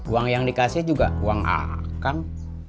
uang yang dikasih juga uang akang